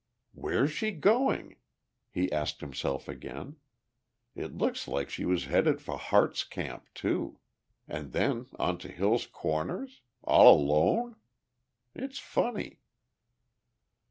"Where's she going?" he asked himself again. "It looks like she was headed for Harte's Camp too. And then on to Hill's Corners? All alone? It's funny."